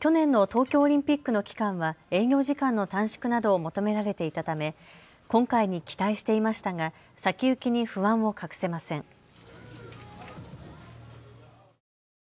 去年の東京オリンピックの期間は営業時間の短縮などを求められていたため今回に期待していましたが先行きに不安を隠せません。